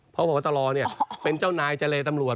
เพราะผัวบัตรอเนี่ยเป็นเจ้านายเจเรตำรวจ